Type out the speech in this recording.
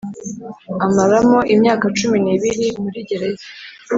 Amaramo imyaka cumi n’ibiri muri gereza